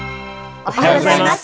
おはようございます。